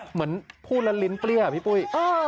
เหมือนพูดละลิ้นเปรี้ยวน่ะพี่ปุ้ย